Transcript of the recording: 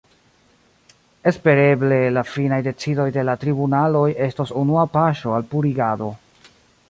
Espereble la finaj decidoj de la tribunaloj estos unua paŝo al purigado.